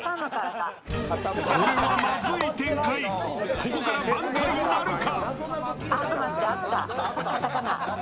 ここから挽回なるか？